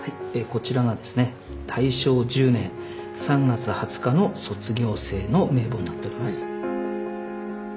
こちらがですね大正十年三月二十日の卒業生の名簿になっております。